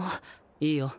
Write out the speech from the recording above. いいよ。